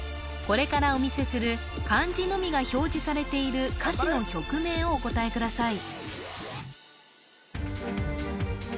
これからお見せする漢字のみが表示されている歌詞の曲名をお答えください